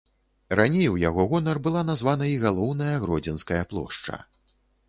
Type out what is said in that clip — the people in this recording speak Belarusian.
Раней у яго гонар была названа і галоўная гродзенская плошча.